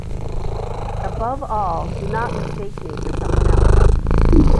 Above all, do not mistake me for someone else!